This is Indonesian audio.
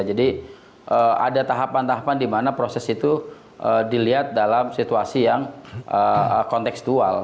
jadi ada tahapan tahapan di mana proses itu dilihat dalam situasi yang konteksual